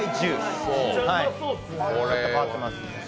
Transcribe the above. ちょっと変わっています。